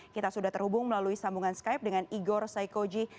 kita sudah terhubung melalui sambungan skype dengan igor saikoji